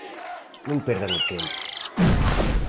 Non perdan o tempo.